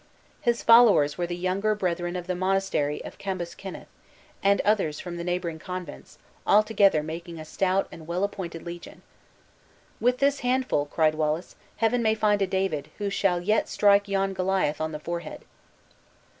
His followers were the younger brethren of the monastery of Cambus Kenneth, and others from the neighboring convents, altogether making a stout and well appointed legion. "With this handful," cried Wallace, "Heaven may find a David, who shall yet strike yon Goliath on the forehead!"